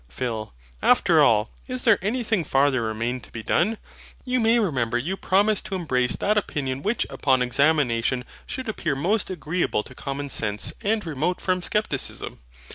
PHIL. After all, is there anything farther remaining to be done? You may remember you promised to embrace that opinion which upon examination should appear most agreeable to Common Sense and remote from Scepticism.